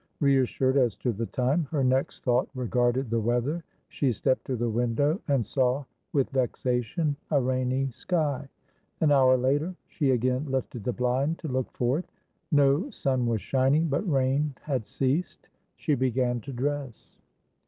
Reassured as to the time, her next thought regarded the weather; she stepped to the window, and saw with vexation a rainy sky. An hour later, she again lifted the blind to look forth. No sun was shining, but rain had ceased. She began to dress.